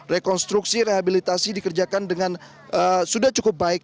rekonstruksi rehabilitasi dikerjakan dengan sudah cukup baik